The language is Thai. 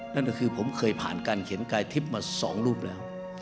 นั่นก็คือผมเคยผ่านการเขียนกายทิพย์มา๒รูปแล้ว